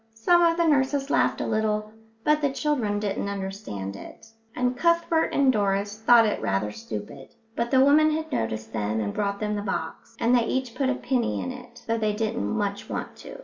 Some of the nurses laughed a little, but the children didn't understand it, and Cuthbert and Doris thought it rather stupid, but the woman had noticed them and brought them the box, and they each put a penny in it, though they didn't much want to.